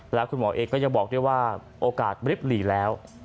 แล้วคุณหมอเองก็ยังบอกด้วยว่าโอกาสริบหลีแล้ว